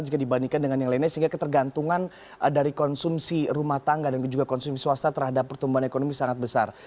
jika dibandingkan dengan yang lainnya sehingga ketergantungan dari konsumsi rumah tangga dan juga konsumsi swasta terhadap pertumbuhan ekonomi sangat besar